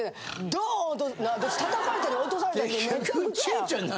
ドーン私叩かれたり落とされたりめちゃくちゃや。